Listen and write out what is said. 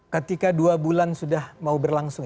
ketika dua bulan sudah mau berlangsung